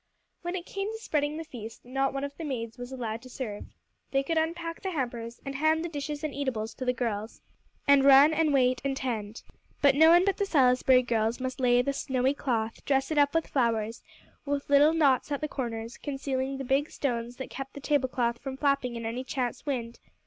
When it came to spreading the feast, not one of the maids was allowed to serve. They could unpack the hampers, and hand the dishes and eatables to the girls, and run, and wait, and tend. But no one but the Salisbury girls must lay the snowy cloth, dress it up with flowers, with little knots at the corners, concealing the big stones that kept the tablecloth from flapping in any chance wind.